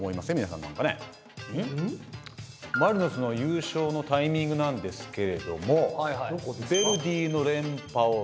マリノスの優勝のタイミングなんですけれどもヴェルディの連覇を止めました。